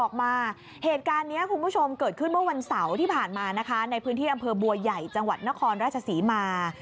เหตุการณ์นี้คุณผู้ชมเกิดขึ้นเมื่อวันเสาร์ที่ผ่านมานะคะในพื้นที่อำเภอบัวใหญ่จังหวัดนครราชศรีมา